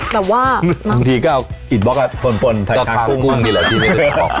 แต่ว่าบางทีก็เอาอีกบ๊อกอ่ะผลถ่ายคลามกุ้งคลามกุ้งดีเหรอทีนี้